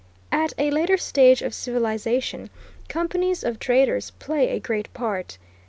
At a later stage of civilization, companies of traders play a great part.